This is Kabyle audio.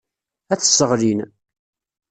Ad t-sseɣlin.